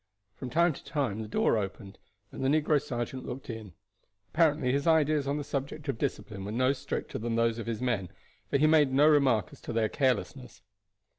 From time to time the door opened, and the negro sergeant looked in. Apparently his ideas on the subject of discipline were no stricter than those of his men, for he made no remark as to their carelessness.